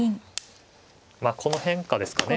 まあこの変化ですかね。